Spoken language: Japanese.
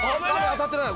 当たってない